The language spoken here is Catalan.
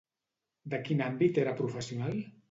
De quin àmbit era professional?